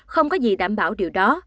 không có gì đảm bảo điều đó